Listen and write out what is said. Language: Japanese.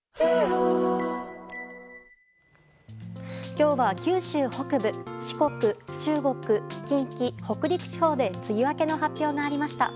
今日は九州北部四国、中国、近畿、北陸地方で梅雨明けの発表がありました。